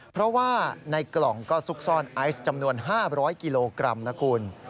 เพราะว่าในกล่องก็ซุกซ่อนไอซ์จำนวน๕๐๐กิโลกรัมนะคุณ